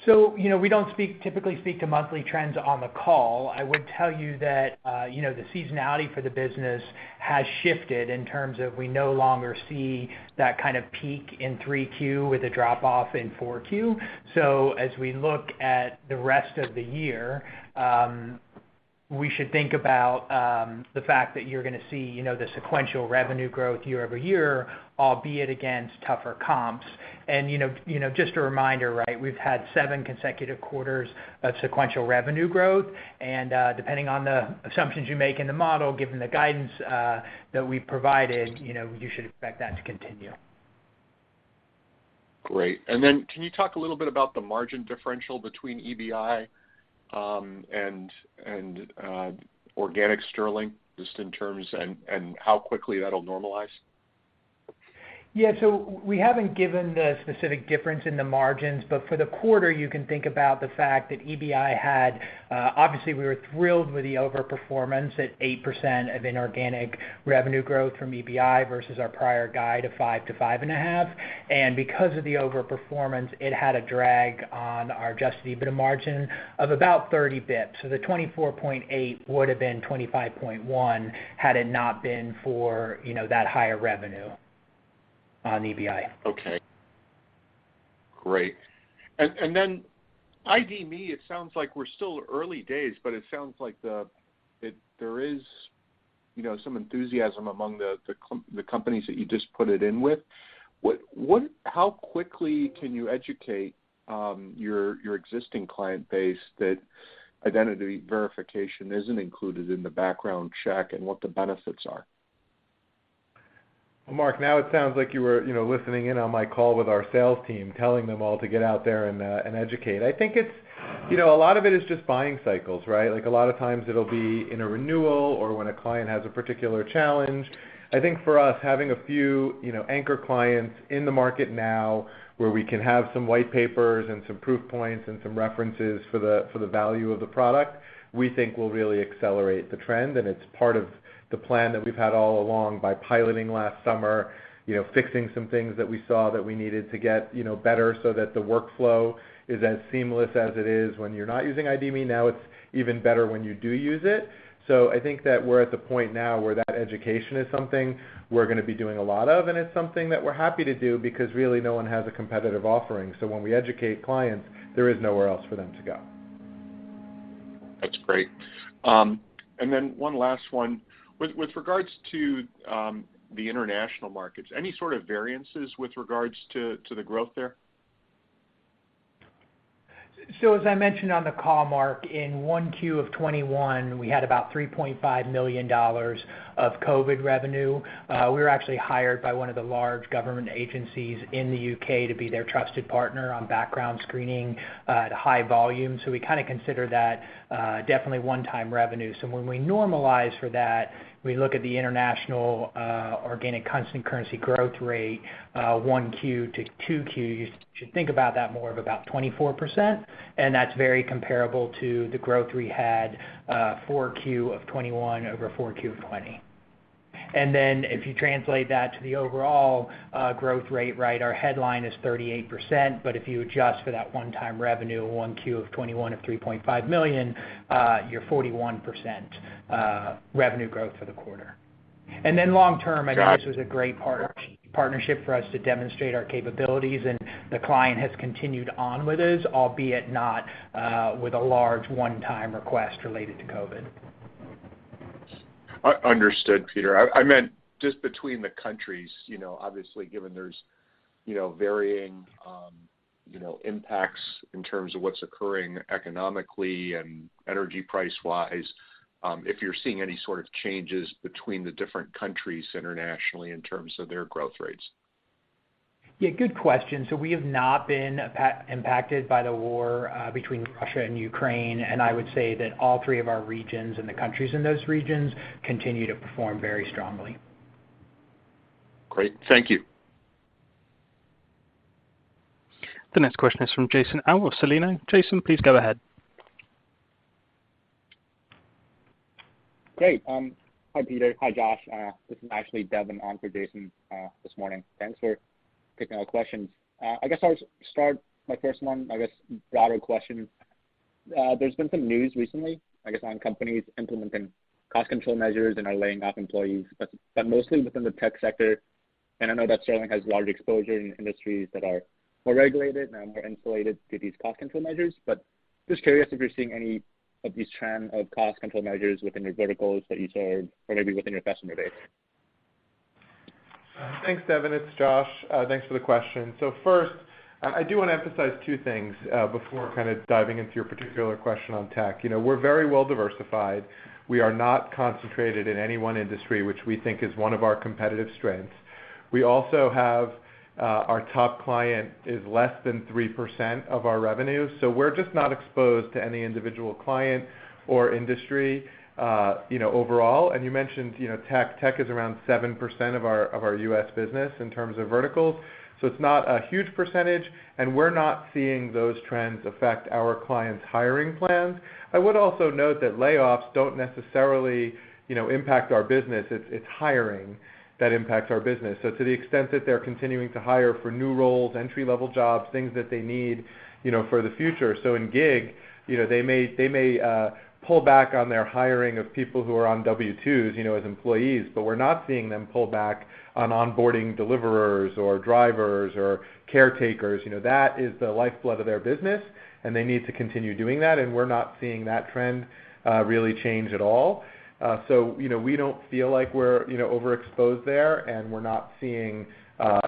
You know, we don't typically speak to monthly trends on the call. I would tell you that, you know, the seasonality for the business has shifted in terms of we no longer see that kind of peak in Q3 with a drop off in Q4. As we look at the rest of the year, we should think about the fact that you're gonna see, you know, the sequential revenue growth year-over-year, albeit against tougher comps. You know, just a reminder, right? We've had seven consecutive quarters of sequential revenue growth, and, depending on the assumptions you make in the model, given the guidance that we've provided, you know, you should expect that to continue. Great. Can you talk a little bit about the margin differential between EBI and organic Sterling, just in terms and how quickly that'll normalize? Yeah. We haven't given the specific difference in the margins, but for the quarter, you can think about the fact that EBI had obviously we were thrilled with the overperformance at 8% of inorganic revenue growth from EBI versus our prior guide of 5%-5.5%. And because of the overperformance, it had a drag on our adjusted EBITDA margin of about 30 basis points. The 24.8% would have been 25.1% had it not been for, you know, that higher revenue on EBI. Okay, great. ID.me, it sounds like we're still early days, but it sounds like there is, you know, some enthusiasm among the companies that you just put it in with. What, how quickly can you educate your existing client base that identity verification isn't included in the background check and what the benefits are? Mark, now it sounds like you were, you know, listening in on my call with our sales team, telling them all to get out there and educate. I think it's, you know, a lot of it is just buying cycles, right? Like, a lot of times it'll be in a renewal or when a client has a particular challenge. I think for us, having a few, you know, anchor clients in the market now where we can have some white papers and some proof points and some references for the value of the product, we think will really accelerate the trend, and it's part of the plan that we've had all along by piloting last summer, you know, fixing some things that we saw that we needed to get, you know, better so that the workflow is as seamless as it is when you're not using ID.me. Now it's even better when you do use it. I think that we're at the point now where that education is something we're gonna be doing a lot of, and it's something that we're happy to do because really no one has a competitive offering. When we educate clients, there is nowhere else for them to go. That's great. One last one. With regards to the international markets, any sort of variances with regards to the growth there? As I mentioned on the call, Mark, in 1Q 2021, we had about $3.5 million of COVID revenue. We were actually hired by one of the large government agencies in the UK to be their trusted partner on background screening at high volume. We kinda consider that definitely one-time revenue. When we normalize for that, we look at the international organic constant currency growth rate, 1Q to 2Q, you should think about that more of about 24%, and that's very comparable to the growth we had, 4Q 2021 over 4Q 2020. If you translate that to the overall growth rate, right, our headline is 38%, but if you adjust for that one-time revenue of 1Q 2021 of $3.5 million, you're 41% revenue growth for the quarter. Long term, I know this was a great partnership for us to demonstrate our capabilities, and the client has continued on with us, albeit not with a large one-time request related to COVID. Understood, Peter. I meant just between the countries, you know, obviously given there's, you know, varying, you know, impacts in terms of what's occurring economically and energy price-wise, if you're seeing any sort of changes between the different countries internationally in terms of their growth rates? Yeah, good question. We have not been impacted by the war between Russia and Ukraine, and I would say that all three of our regions and the countries in those regions continue to perform very strongly. Great. Thank you. The next question is from Jason Haas, Securities. Jason, please go ahead. Great. Hi, Peter. Hi, Josh. This is actually Devin on for Jason this morning. Thanks for taking our questions. I guess I'll start my first one, I guess broader question. There's been some news recently, I guess, on companies implementing cost control measures and are laying off employees, but mostly within the tech sector. I know that Sterling has large exposure in industries that are more regulated and are more insulated to these cost control measures. Just curious if you're seeing any of this trend of cost control measures within your verticals that you serve or maybe within your customer base. Thanks, Devin. It's Josh. Thanks for the question. First, I do wanna emphasize two things before kind of diving into your particular question on tech. You know, we're very well diversified. We are not concentrated in any one industry, which we think is one of our competitive strengths. We also have our top client is less than 3% of our revenue. We're just not exposed to any individual client or industry, you know, overall. You mentioned, you know, tech. Tech is around 7% of our US business in terms of verticals, so it's not a huge percentage, and we're not seeing those trends affect our clients' hiring plans. I would also note that layoffs don't necessarily, you know, impact our business. It's hiring that impacts our business. To the extent that they're continuing to hire for new roles, entry-level jobs, things that they need, you know, for the future. In gig, you know, they may pull back on their hiring of people who are on W-2s, you know, as employees, but we're not seeing them pull back on onboarding deliverers or drivers or caretakers. You know, that is the lifeblood of their business, and they need to continue doing that, and we're not seeing that trend really change at all. You know, we don't feel like we're, you know, overexposed there, and we're not seeing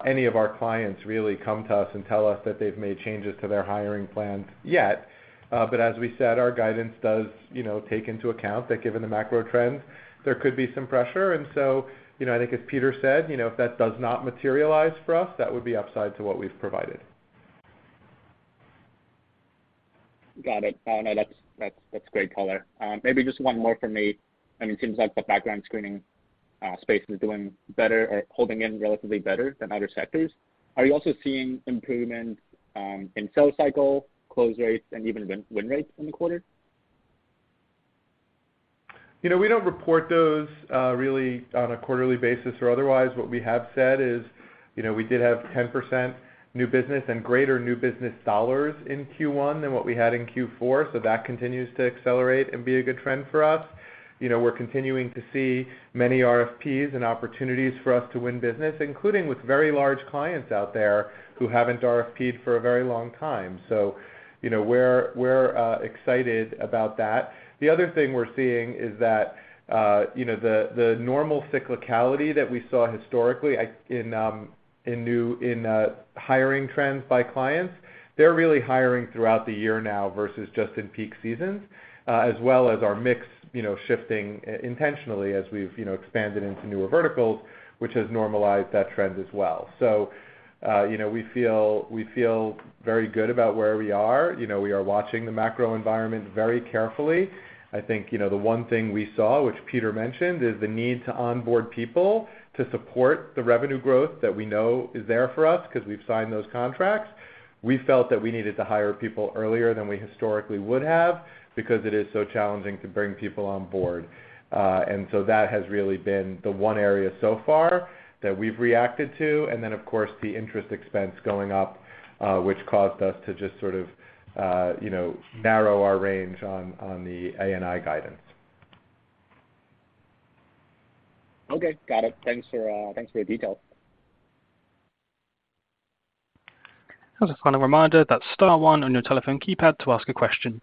any of our clients really come to us and tell us that they've made changes to their hiring plans yet. As we said, our guidance does, you know, take into account that given the macro trends, there could be some pressure. You know, I think as Peter said, you know, if that does not materialize for us, that would be upside to what we've provided. Got it. No, that's great color. Maybe just one more for me. I mean, it seems like the background screening space is doing better or holding up relatively better than other sectors. Are you also seeing improvement in sales cycle, close rates, and even win rates in the quarter? You know, we don't report those really on a quarterly basis or otherwise. What we have said is, you know, we did have 10% new business and greater new business dollars in Q1 than what we had in Q4, so that continues to accelerate and be a good trend for us. You know, we're continuing to see many RFPs and opportunities for us to win business, including with very large clients out there who haven't RFP'd for a very long time. You know, we're excited about that. The other thing we're seeing is that, you know, the normal cyclicality that we saw historically in hiring trends by clients, they're really hiring throughout the year now versus just in peak seasons. As well as our mix, you know, shifting intentionally as we've, you know, expanded into newer verticals, which has normalized that trend as well. You know, we feel very good about where we are. You know, we are watching the macro environment very carefully. I think, you know, the one thing we saw, which Peter mentioned, is the need to onboard people to support the revenue growth that we know is there for us 'cause we've signed those contracts. We felt that we needed to hire people earlier than we historically would have because it is so challenging to bring people on board. That has really been the one area so far that we've reacted to. Of course, the interest expense going up, which caused us to just sort of, you know, narrow our range on the ANI guidance. Okay. Got it. Thanks for the details. As a final reminder, that's star one on your telephone keypad to ask a question.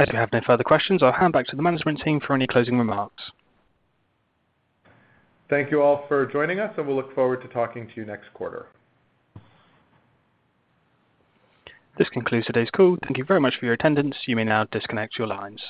As we have no further questions, I'll hand back to the management team for any closing remarks. Thank you all for joining us, and we look forward to talking to you next quarter. This concludes today's call. Thank you very much for your attendance. You may now disconnect your lines.